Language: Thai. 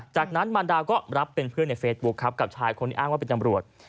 จากนั้นมารดาก็รับเป็นเพื่อนในเฟซบุ๊คครับกับชายคนที่อ้างว่าเป็นตำรวจ